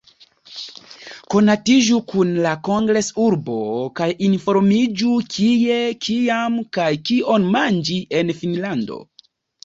Konatiĝu kun la kongres-urbo, kaj informiĝu kie, kiam, kaj kion manĝi en Finnlando.